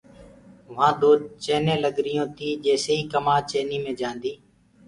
وهآ دو چيني لگريٚونٚ تي جيسي ئي ڪمآد چينيٚ مي جآنديٚ۔